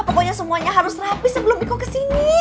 pokoknya semuanya harus rapi sebelum ibu kesini